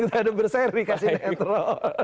kita ada berseri kasih netro